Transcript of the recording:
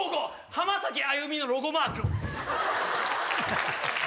浜崎あゆみのロゴマーク。